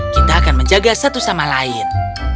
kita akan menjaga satu sama lain